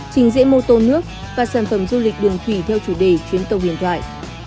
trình diễn mô tô nước và sản phẩm du lịch đường thủy theo chủ đề chuyến tàu huyền thoại